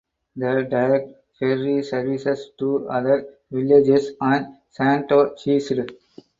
The direct ferry services to other villages on Sandoy ceased.